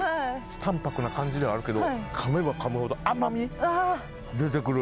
淡泊な感じではあるけどかめばかむほど甘み出てくる。